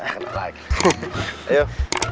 assalamualaikum pak ustaz